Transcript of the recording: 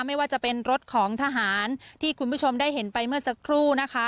ไม่ว่าจะเป็นรถของทหารที่คุณผู้ชมได้เห็นไปเมื่อสักครู่นะคะ